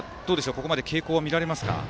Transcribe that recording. ここまで傾向は見られますか？